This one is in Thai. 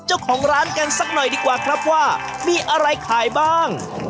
เจ้าของร้านกันสักหน่อยดีกว่าครับว่ามีอะไรขายบ้าง